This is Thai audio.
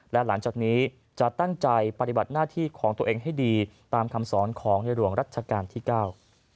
และหลังจากนี้จะตั้งใจปฏิบัติหน้าที่ของตัวเองให้ดีตามคำสอนของในหลวงรัชกาลที่เก้า